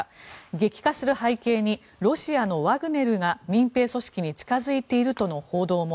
激化する背景にロシアのワグネルが民兵組織に近付いているとの報道も。